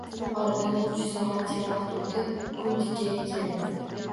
Oradan uch soatcha vaqt o`tib kun tikkaga keldi